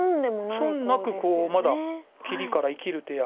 損なくコウをまだ切りから生きる手や。